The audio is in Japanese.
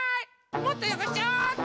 もっとよごしちゃおうっと！